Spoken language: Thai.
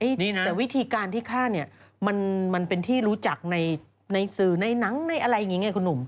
แต่วิธีการที่ฆ่าเนี่ยมันเป็นที่รู้จักในสื่อในหนังในอะไรอย่างนี้ไงคุณหนุ่ม